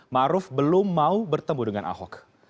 maruf belum mau bertemu dengan ahok